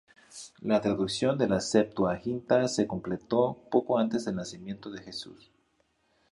La traducción de la Septuaginta se completó poco antes del nacimiento de Jesús.